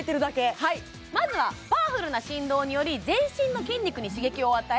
はいまずはパワフルな振動により全身の筋肉に刺激を与え